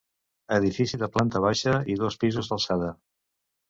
Edifici de planta baixa i dos pisos d'alçada.